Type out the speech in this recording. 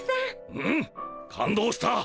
うん感動した！